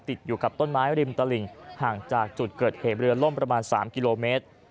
ติดอยู่กับต้นไม้ริมตลิ่งห่างจากจุดเกิดเหตุเรือล่มประมาณ๓กิโลเมตร